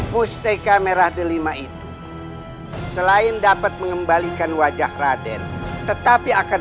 pusteka merah delima itu selain dapat mengembalikan wajah raden tetapi akan